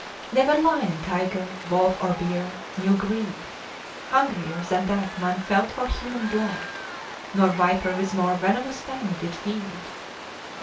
Ne'er lion, tiger, wolf, or bear knew greed Hungrier than that man felt for human blood; Nor viper with more venomous fang did feed.